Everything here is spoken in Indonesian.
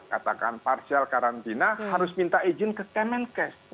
katakan parsial karantina harus minta izin ke kemenkes